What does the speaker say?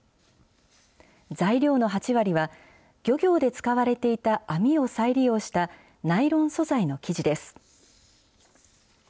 材料の８割は、漁業で使われていた網を再利用した、ナイロン素材の生地です。